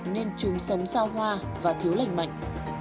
nên chúng sống xa hoa và thiếu lành mạnh